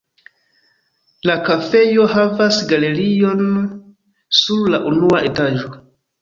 La kafejo havas galerion sur la unua etaĝo.